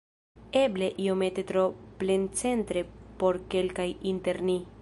Eble iomete tro plencentre por kelkaj inter ni.